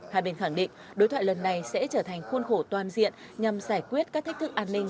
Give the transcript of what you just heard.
hai bên khẳng định đối thoại lần này sẽ trở thành khuôn khổ toàn diện nhằm giải quyết các thách thức an ninh